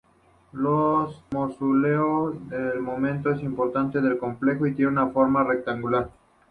El mausoleo es el monumento importante del complejo y tiene una forma rectangular.